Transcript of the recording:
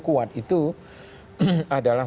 kuat itu adalah